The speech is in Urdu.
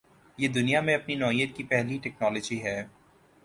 یہ دنیا میں اپنی نوعیت کی پہلی ٹکنالوجی ہے۔